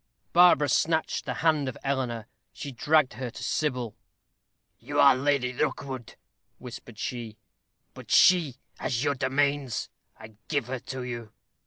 Barbara snatched the hand of Eleanor. She dragged her to Sybil. "You are Lady Rookwood," whispered she; "but she has your domains. I give her to you."